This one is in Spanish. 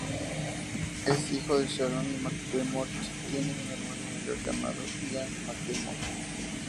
Es hijo de Sharon McDermott, tiene un hermano mayor llamado Ian McDermott.